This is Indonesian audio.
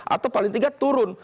atau paling tiga turun